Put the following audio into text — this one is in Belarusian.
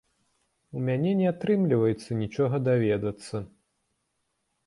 У мяне не атрымліваецца нічога даведацца.